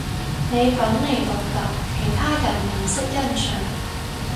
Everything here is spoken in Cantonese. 你品味獨特，其他人唔識欣賞